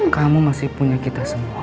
kamu masih punya kita semua